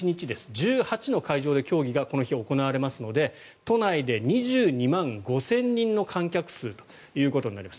１８の会場で競技がこの日、行われますので都内で２２万５０００人の観客数ということになります。